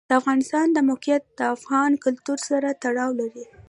د افغانستان د موقعیت د افغان کلتور سره تړاو لري.